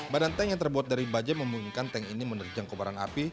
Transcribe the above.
badan tank yang terbuat dari baja memungkinkan tank ini menerjang kobaran api